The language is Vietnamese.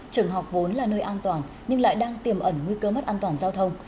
trường học vốn là nơi an toàn nhưng lại đang tiềm ẩn nguy cơ mất an toàn giao thông